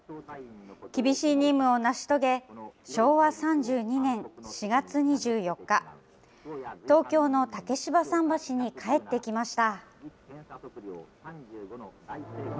厳しい任務を成し遂げ、昭和３２年４月２４日、東京の竹芝桟橋に帰ってきました。